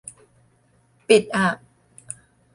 ปิดอ่ะ